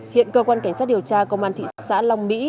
hiện cơ quan cảnh sát điều tra công an thị xã long mỹ